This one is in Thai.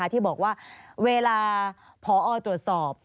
ที่บอกว่าเวลาพอตรวจสอบ